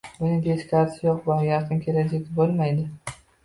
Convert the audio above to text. Buning teskarisi yo'q va yaqin kelajakda bo'lmaydi